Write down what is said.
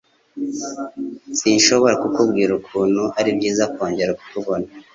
Sinshobora kukubwira ukuntu ari byiza kongera kukubona.